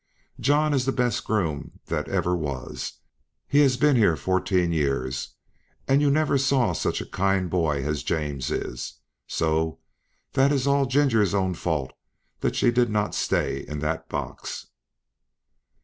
John is the best groom that ever was; he has been here fourteen years; and you never saw such a kind boy as James is, so that it is all Ginger's own fault that she did not stay in that box."